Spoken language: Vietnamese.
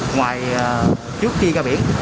ngoài trước khi ra biển